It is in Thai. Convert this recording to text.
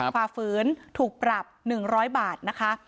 ฝ่าฝืนถูกปรับ๑๐๐บาทนะคะ